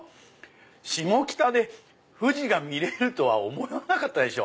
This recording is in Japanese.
シモキタで富士が見れるとは思わなかったでしょ。